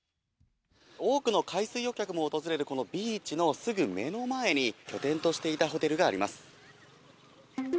多くの海水浴客も訪れるこのビーチのすぐ目の前に、拠点としていたホテルがあります。